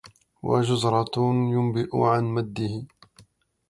وجزرُهُ يُنبئ عَن مَدِّه